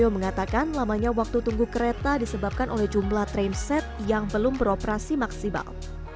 mengatakan lamanya waktu tunggu kereta disebabkan oleh jumlah trainset yang belum beroperasi maksimal